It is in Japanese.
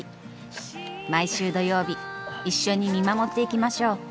毎週土曜日一緒に見守っていきましょう。